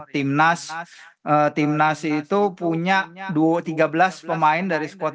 timnas timnas itu punya duo tiga belas pemain dari squad dua puluh tiga